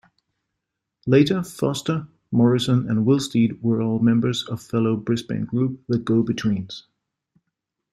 Later Foster, Morrison and Willsteed were all members of fellow Brisbane group, the Go-Betweens.